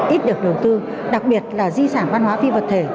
ít được đầu tư đặc biệt là di sản văn hóa phi vật thể